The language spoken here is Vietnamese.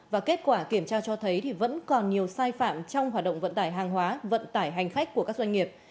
và kết quả kiểm tra cho thấy vẫn còn nhiều sai phạm trong hoạt động vận tải hàng hóa vận tải hành khách của các doanh nghiệp